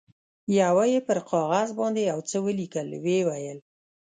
یوه یې پر کاغذ باندې یو څه ولیکل، ویې ویل.